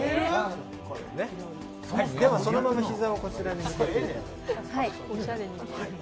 では、そのまま膝をこちらに。